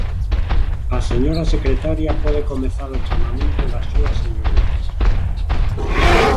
A señora secretaria pode comezar o chamamento das súas señorías.